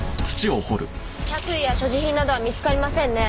着衣や所持品などは見つかりませんね。